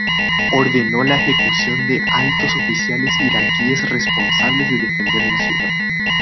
Ordenó la ejecución de altos oficiales iraquíes responsables de defender la ciudad.